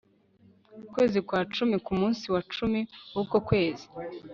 kwezi kwa cumi ku munsi wa cumi w uko kwezi